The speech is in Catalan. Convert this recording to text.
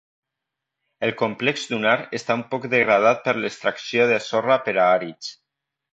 El complex dunar està un poc degradat per l'extracció de sorra per a àrids.